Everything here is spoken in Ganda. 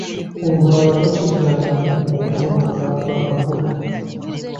Olulala tokiddangamu okuvuma abantu abakulu.